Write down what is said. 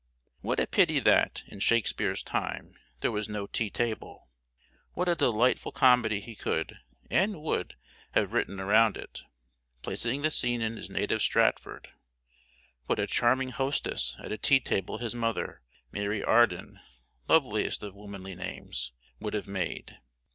What a pity that, in Shakespeare's time, there was no tea table! What a delightful comedy he could, and would, have written around it, placing the scene in his native Stratford! What a charming hostess at a tea table his mother, Mary Arden (loveliest of womanly names), would have made!